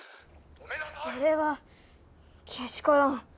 これはけしからん。